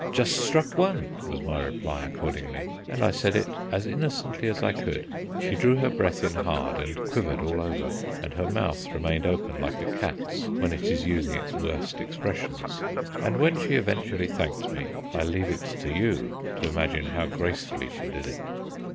"Just struck one," was my reply accordingly, and I said it as innocently as I could. She drew her breath in hard and quivered all over, and her mouth remained open like a cat's when it is using its worst expressions, and when she eventually thanked me I leave it to you to imagine how gracefully she did it.